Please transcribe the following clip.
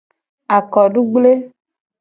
Akodugble.